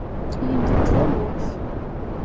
Yendel-d tawwurt.